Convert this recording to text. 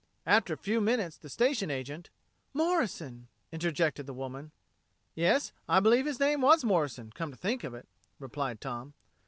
After a few minutes the station agent...." "Morrison," interjected the woman. "Yes, I believe his name was Morrison, come to think of it," replied Tom.